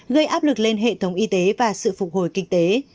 gây áp lực lên hệ thống y tế và sự phục hồi kinh tế